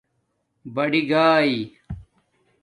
بڑئ گاݺ